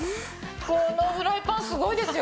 このフライパンすごいですよ！